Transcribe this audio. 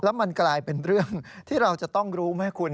มันกลายเป็นเรื่องที่เราจะต้องรู้ไหมคุณ